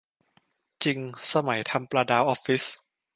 จริง สมัยทำปลาดาวออฟฟิศ